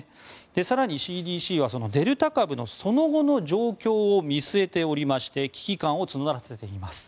更にＣＤＣはデルタ株のその後の状況を見据えておりまして危機感を募らせています。